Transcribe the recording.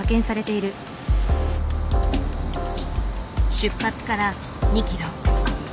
出発から２キロ。